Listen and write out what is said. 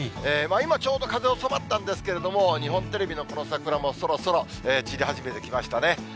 今、ちょうど風収まったんですけれども、日本テレビのこの桜もそろそろ散り始めてきましたね。